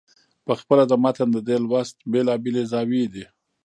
پخپله د متن د دې لوست بېلابېلې زاويې دي.